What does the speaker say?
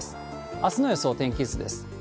あすの予想天気図です。